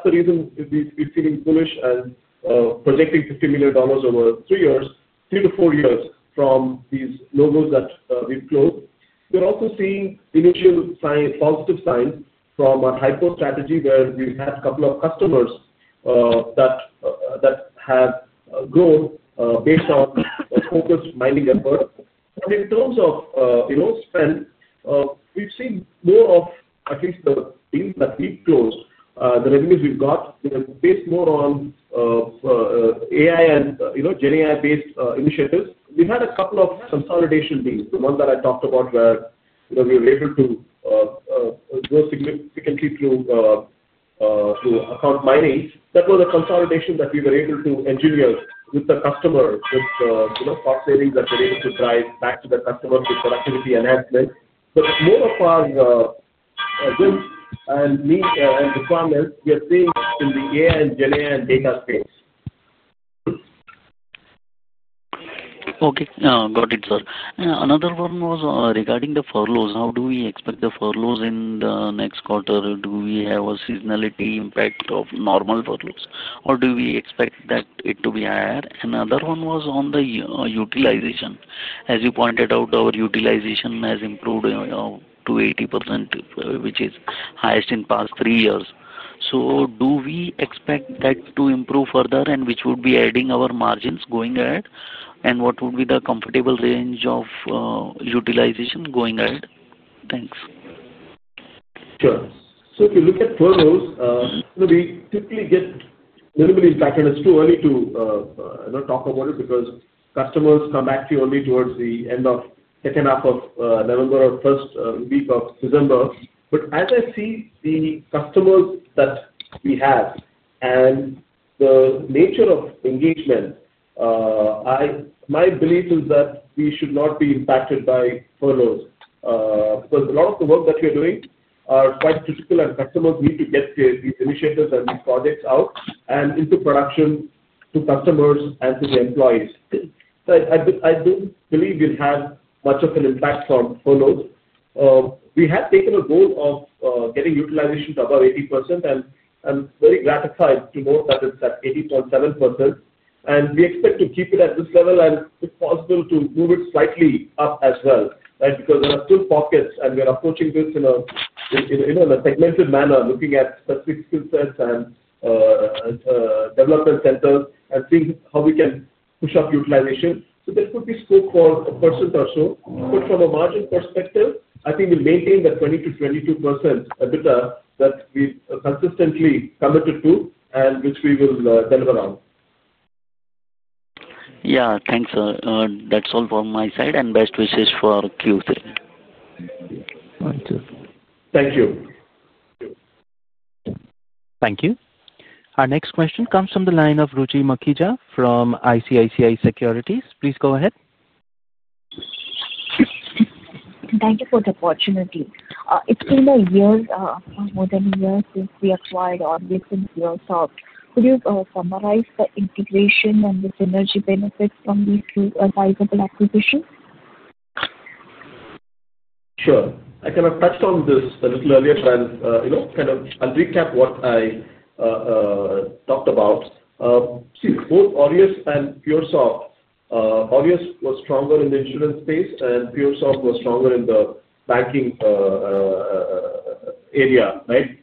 the reason we've been feeling bullish and projecting $50 million over three years, three to four years from these logos that we've closed. We're also seeing initial positive signs from our FICO strategy, where we've had a couple of customers that have grown based on a focused mining effort. In terms of spend, we've seen more of at least the deals that we've closed, the revenues we've got, they're based more on AI and GenAI-based initiatives. We've had a couple of consolidation deals, the ones that I talked about, where we were able to grow significantly through account mining. That was a consolidation that we were able to engineer with the customer with cost savings that we're able to drive back to the customer through productivity enhancement. More of our wins and requirements, we are seeing in the AI and GenAI and data space. Okay. Got it, sir. Another one was regarding the furloughs. How do we expect the furloughs in the next quarter? Do we have a seasonality impact of normal furloughs, or do we expect that it to be higher? Another one was on the utilization. As you pointed out, our utilization has improved to 80%, which is highest in the past three years. Do we expect that to improve further, which would be adding our margins going ahead? What would be the comfortable range of utilization going ahead? Thanks. Sure. If you look at furloughs, we typically get minimal impact on it. It's too early to talk about it because customers come back to you only towards the end of the second half of November or first week of December. As I see the customers that we have and the nature of engagement, my belief is that we should not be impacted by furloughs because a lot of the work that we are doing is quite critical, and customers need to get these initiatives and these projects out and into production to customers and to the employees. I don't believe we'll have much of an impact from furloughs. We have taken a goal of getting utilization to about 80%, and I'm very gratified to know that it's at 80.7%. We expect to keep it at this level and, if possible, to move it slightly up as well, right, because there are still pockets, and we're approaching this in a segmented manner, looking at specific skill sets and development centers and seeing how we can push up utilization. There could be scope for a percent or so. From a margin perspective, I think we'll maintain the 20%-22% EBITDA that we've consistently committed to and which we will deliver on. Thank you, sir. That's all from my side. Best wishes for Q3. Thank you. Thank you. Thank you. Our next question comes from the line of Ruchi Mukhija from ICICI Securities. Please go ahead. Thank you for the opportunity. It's been a year, more than a year, since we acquired Arttha from PureSoftware. Could you summarize the integration and the synergy benefits from these two advisable acquisitions? Sure. I kind of touched on this a little earlier, but I'll kind of recap what I talked about. See, both Arttha and PureSoftware, Arttha was stronger in the insurance space, and PureSoftware was stronger in the banking area, right?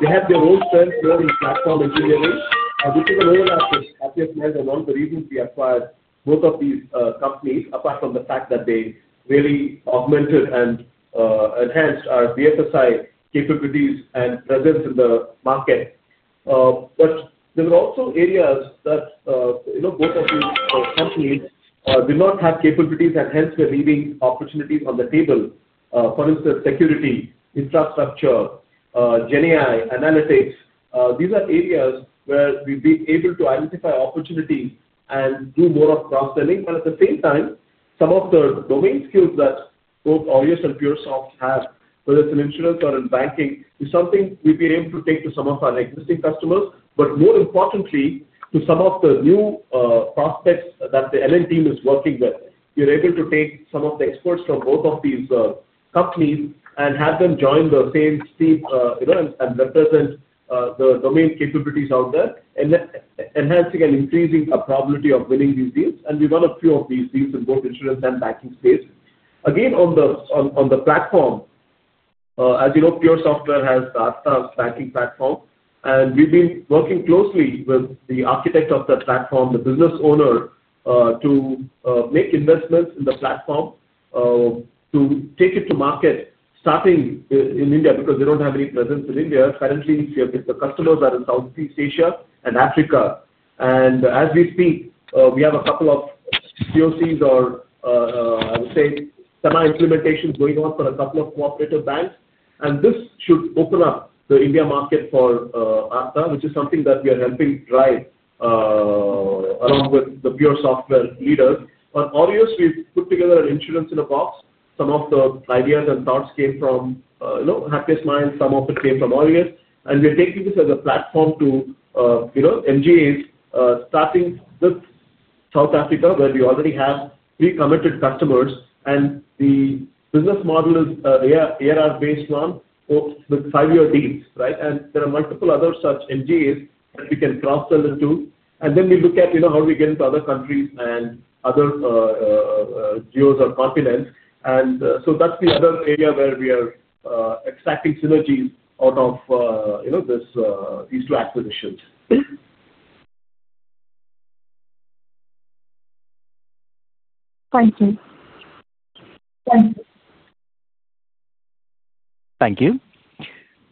They had their own strengths more in platform engineering. This is an overlap with Happiest Minds and one of the reasons we acquired both of these companies, apart from the fact that they really augmented and enhanced our BFSI capabilities and presence in the market. There were also areas that both of these companies did not have capabilities, and hence, we're leaving opportunities on the table. For instance, security infrastructure, GenAI, analytics, these are areas where we've been able to identify opportunities and do more of cross-selling. At the same time, some of the domain skills that both Arttha and PureSoftware have, whether it's in insurance or in banking, is something we've been able to take to some of our existing customers. More importantly, to some of the new prospects that the LLM team is working with, we are able to take some of the experts from both of these companies and have them join the same team and represent the domain capabilities out there, enhancing and increasing our probability of winning these deals. We've done a few of these deals in both insurance and banking space. Again, on the platform, as you know, PureSoftware has the ATA banking platform, and we've been working closely with the architect of that platform, the business owner, to make investments in the platform to take it to market, starting in India because they don't have any presence in India. Currently, the customers are in Southeast Asia and Africa. As we speak, we have a couple of COCs, or I would say semi-implementations going on for a couple of cooperative banks. This should open up the India market for ATA, which is something that we are helping drive along with the PureSoftware leaders. On Arttha, we've put together an Insurance in a Box. Some of the ideas and thoughts came from Happiest Minds. Some of it came from Arttha. We're taking this as a platform to, you know, MGAs, starting with South Africa, where we already have pre-committed customers. The business model is ARR-based with five-year deals, right? There are multiple other such MGAs that we can cross-sell into. We look at, you know, how do we get into other countries and other geos or continents. That's the other area where we are extracting synergies out of, you know, these two acquisitions. Thank you. Thank you. Thank you.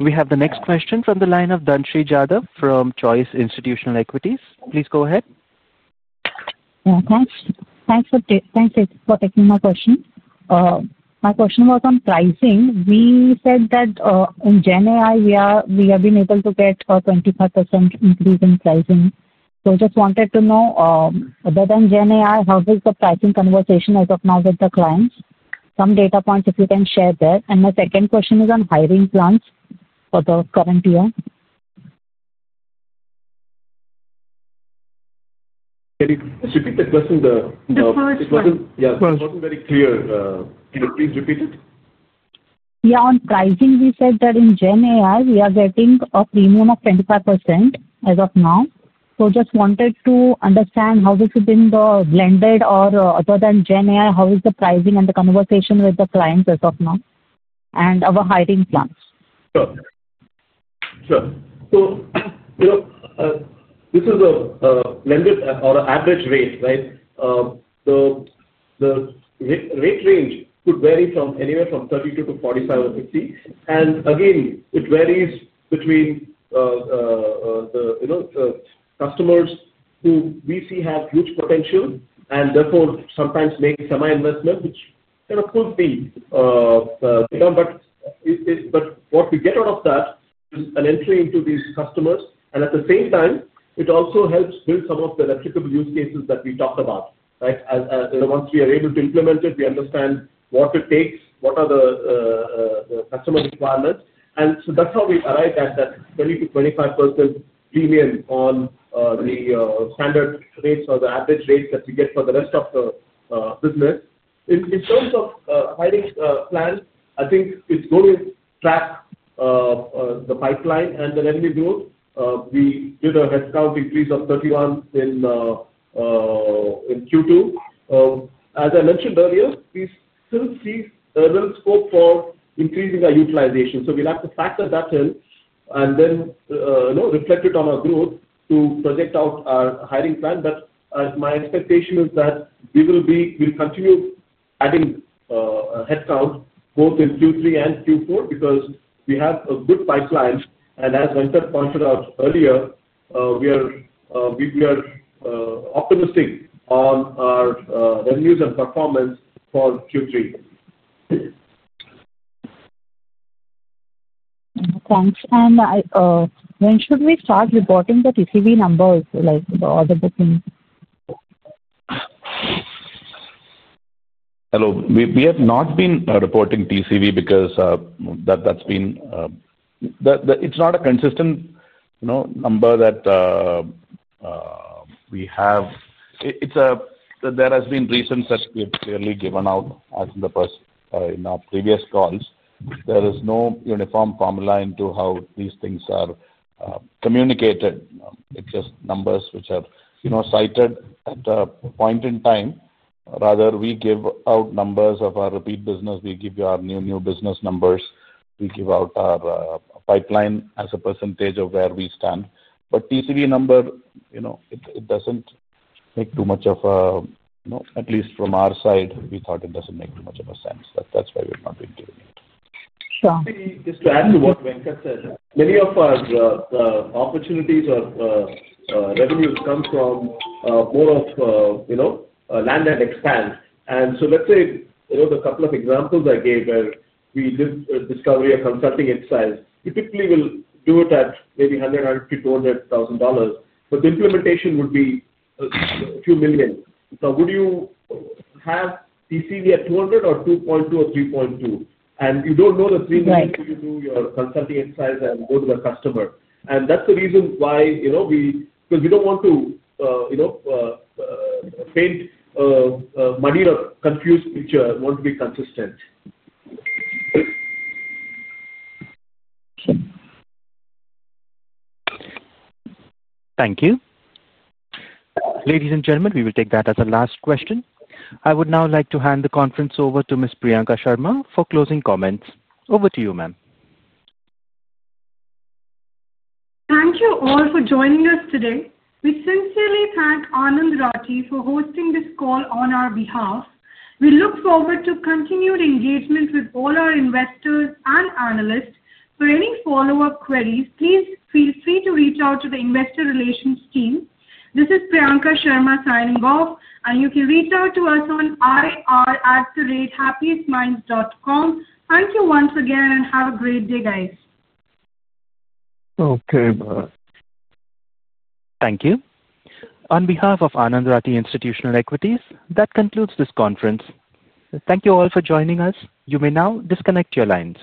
We have the next question from the line of Dhanshree Jadhav from Choice Institutional Equities. Please go ahead. Thanks for taking my question. My question was on pricing. We said that in GenAI, we have been able to get a 25% increase in pricing. I just wanted to know, other than GenAI, how is the pricing conversation as of now with the clients? Some data points, if you can share there. My second question is on hiring plans for the current year. Can you repeat the question? The first question. It wasn't very clear. Can you please repeat it? Yeah. On pricing, we said that in GenAI, we are getting a premium of 25% as of now. I just wanted to understand how this has been blended, or other than GenAI, how is the pricing and the conversation with the clients as of now and our hiring plans? Sure. This is a blended or an average rate, right? The rate range could vary anywhere from 32-45 or 60. It varies between the customers who we see have huge potential and therefore sometimes make semi-investments, which kind of pulls the rate down. What we get out of that is an entry into these customers. At the same time, it also helps build some of the replicable AI use cases that we talked about, right? Once we are able to implement it, we understand what it takes, what are the customer requirements. That's how we arrived at that 20%-25% premium on the standard rates or the average rates that we get for the rest of the business. In terms of hiring plans, I think it's going to track the pipeline and the revenue growth. We did a headcount increase of 31 in Q2. As I mentioned earlier, we still see a little scope for increasing our utilization. We'll have to factor that in and then reflect it on our growth to project out our hiring plan. My expectation is that we will continue adding headcount both in Q3 and Q4 because we have a good pipeline. As Venkatraman Narayanan pointed out earlier, we are optimistic on our revenues and performance for Q3. Thanks. When should we start reporting the TCV numbers, like the order bookings? Hello. We have not been reporting TCV because that's been, it's not a consistent, you know, number that we have. There have been reasons that we have clearly given out in our previous calls. There is no uniform formula into how these things are communicated. It's just numbers which are, you know, cited at a point in time. Rather, we give out numbers of our repeat business. We give you our new new business numbers. We give out our pipeline as a percentage of where we stand. TCV number, you know, it doesn't make too much of a, you know, at least from our side, we thought it doesn't make too much of a sense. That's why we've not been doing it. Sure. Just to add to what Venkatraman Narayanan said, many of our opportunities or revenues come from more of, you know, land that expands. Let's say, you know, the couple of examples I gave where we did discovery or consulting exercise, typically we'll do it at maybe $100,000, $150,000, $200,000. The implementation would be a few million. Would you have TCV at $200,000 or $2.2 million or $3.2 million? You don't know the premium until you do your consulting exercise and go to the customer. That's the reason why, you know, we don't want to, you know, paint a muddy or confused picture. We want to be consistent. Okay. Thank you. Ladies and gentlemen, we will take that as a last question. I would now like to hand the conference over to Ms. Priyanka Sharma for closing comments. Over to you, ma'am. Thank you all for joining us today. We sincerely thank Joseph Anantharaju for hosting this call on our behalf. We look forward to continued engagement with all our investors and analysts. For any follow-up queries, please feel free to reach out to the Investor Relations team. This is Priyanka Sharma signing off, and you can reach out to us on ir@happiestminds.com. Thank you once again, and have a great day, guys. Okay. Bye. Thank you. On behalf of Anand Rathi Institutional Equities, that concludes this conference. Thank you all for joining us. You may now disconnect your lines.